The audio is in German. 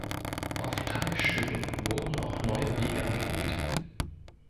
Auf Teilstücken wurden auch neue Wege angelegt.